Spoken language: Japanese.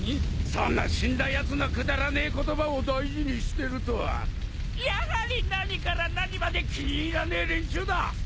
そんな死んだやつのくだらねえ言葉を大事にしてるとはやはり何から何まで気に入らねえ連中だ！